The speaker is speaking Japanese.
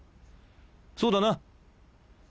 そうだな？